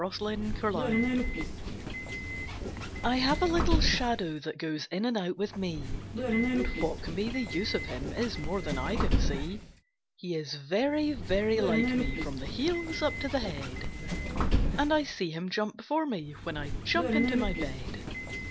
[Pg 20] MY SHADOW I have a little shadow that goes in and out with me, And what can be the use of him is more than I can see. He is very, very like me from the heels up to the head; And I see him jump before me, when I jump into my bed.